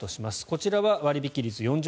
こちらは割引率４０％